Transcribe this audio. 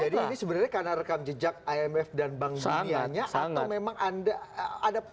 jadi ini sebenarnya karena rekam jejak imf dan bank dunianya atau memang anda